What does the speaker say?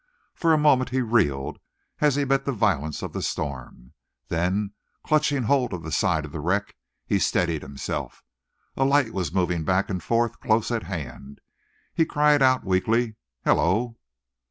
For a moment he reeled, as he met the violence of the storm. Then, clutching hold of the side of the wreck, he steadied himself. A light was moving back and forth, close at hand. He cried out weakly: "Hullo!"